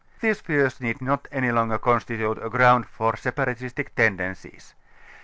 These fears need not any longer constitute a ground for separatistic tendencies.